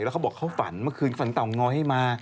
แล้วเขาบอกเขาฝันเมื่อคืนฝันเตาง้อยมา